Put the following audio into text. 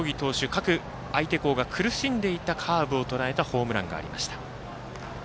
各相手校が苦しんでいたカーブをとらえたホームランがありました。